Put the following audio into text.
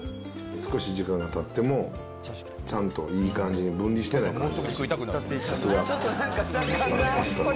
少し時間がたっても、ちゃんといい感じに分離してない感じ。